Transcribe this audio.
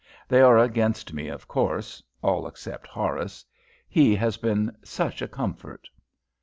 They are against me, of course, all except Horace. He has been such a comfort."